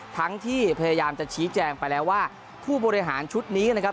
ทั้งที่พยายามจะชี้แจงไปแล้วว่าผู้บริหารชุดนี้นะครับ